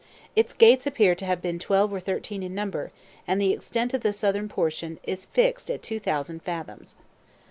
Its gates appear to have been twelve or thirteen in number, and the extent of the southern portion is fixed at two thousand fathoms.